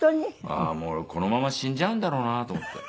ああーもう俺このまま死んじゃうんだろうなと思って。